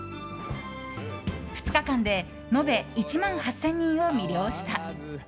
２日間で延べ１万８０００人を魅了した。